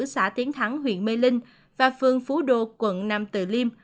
xã tiến thắng huyện mê linh và phương phú đô quận năm từ liêm